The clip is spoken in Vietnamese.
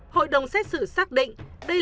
hội đồng xét xử xác định